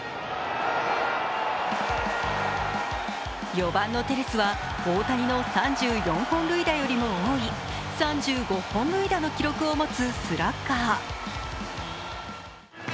４番のテレスは大谷の３４本塁打よりも多い３５本塁打の記録を持つスラッガー。